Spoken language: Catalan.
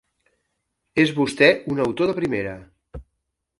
És vostè un autor de primera.